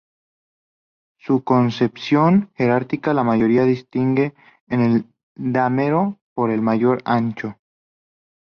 Su concepción jerárquica la distingue en el damero por el mayor ancho.